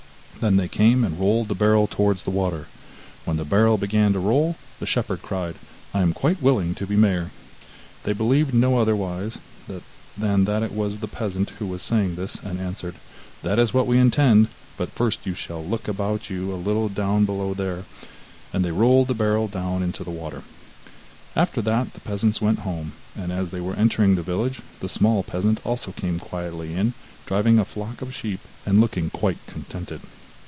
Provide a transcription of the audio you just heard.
Then they came and rolled the barrel towards the water. When the barrel began to roll, the shepherd cried: 'I am quite willing to be mayor.' They believed no otherwise than that it was the peasant who was saying this, and answered: 'That is what we intend, but first you shall look about you a little down below there,' and they rolled the barrel down into the water. After that the peasants went home, and as they were entering the village, the small peasant also came quietly in, driving a flock of sheep and looking quite contented.